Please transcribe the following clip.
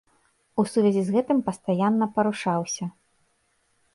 У сувязі з гэтым пастаянна парушаўся.